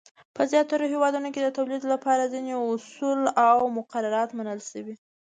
په زیاترو هېوادونو کې د تولید لپاره ځینې اصول او مقررات منل شوي.